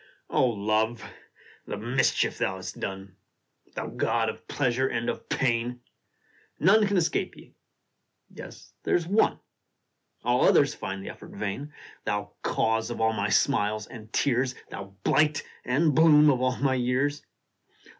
LOVE ! the mischief thou hast done ! Thou god of pleasure and of pain ! None can escape thee yes there s one All others find the effort vain : Thou cause of all my smiles and tears ! Thou blight and bloom of all my years ! 70 LINES.